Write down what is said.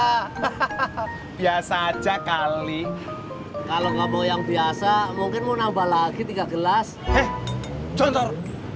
hahaha biasa aja kali kalau nggak mau yang biasa mungkin mau nambah lagi tiga gelas eh contor